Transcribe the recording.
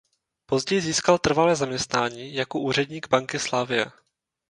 Později získal trvalé zaměstnání jako úředník banky Slavie.